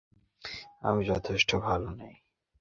আমি যথেষ্ট ভালো নই!